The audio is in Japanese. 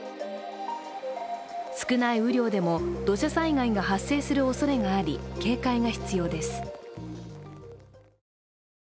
少ない雨量でも土砂災害が発生するおそれがあり警戒が必要です。